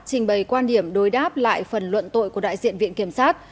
trình bày quan điểm đối đáp lại phần luận tội của đại diện viện kiểm sát